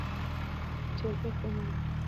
پیچلتیا کمه ده.